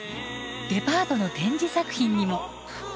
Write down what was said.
デパートの展示作品にも。